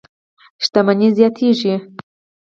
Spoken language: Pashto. شتمنۍ زیاتېږي.